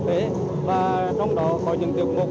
và đặc biệt là có rất nhiều chương trình tiệc mục